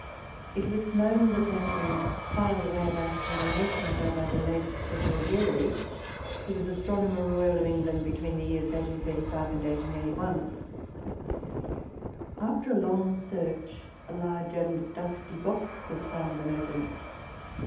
It was known that they had been filed away about a generation ago, by the late Sir George Airy, who was Astronomer Royal of England between the years 1835 and 1881. After a long search, a large and dusty box was found and opened.